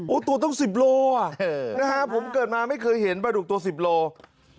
โอ้ตัวต้อง๑๐โลกรัมผมเกิดมาไม่เคยเห็นปลาดุกตัว๑๐โลกรัม